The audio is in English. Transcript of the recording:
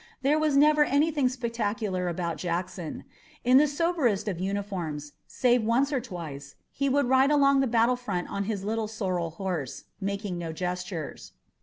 There was never anything spectacular about Jackson. In the soberest of uniforms, save once or twice, he would ride along the battle front on his little sorrel horse, making no gestures.